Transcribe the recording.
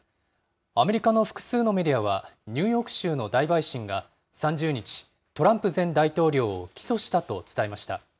アメリカの複数のメディアは、ニューヨーク州の大陪審が３０日、トランプ前大統領を起訴したと伝えました。